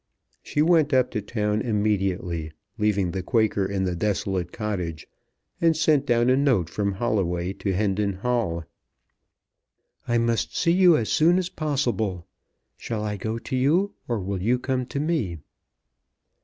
She went up to town immediately, leaving the Quaker in the desolate cottage, and sent down a note from Holloway to Hendon Hall. "I must see you as soon as possible. Shall I go to you, or will you come to me?"